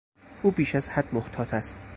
او بیش از حد محتاط است.